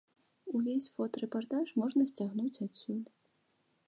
Увесь фота-рэпартаж можна сцягнуць адсюль.